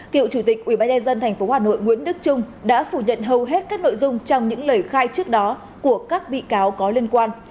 cựu chủ tịch ubnd tp hà nội nguyễn đức trung đã phủ nhận hầu hết các nội dung trong những lời khai trước đó của các bị cáo có liên quan